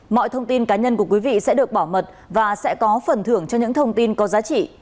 mọi thông tin cá nhân của quý vị sẽ được bảo mật và sẽ có phần thưởng cho những thông tin có giá trị